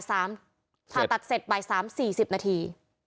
ผ่าตัดเสร็จบ่าย๓๔๐นาที